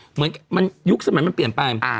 เหมือนมันยุคนสมัยมันเปลี่ยนไปอ่า